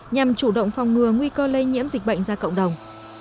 nhằm chủ động phòng ngừa nguy cơ lây nhiễm dịch bệnh ra cộng đồng